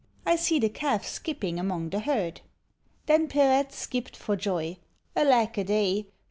I see the calf skipping among the herd." Then Perette skipped for joy. Alack a day!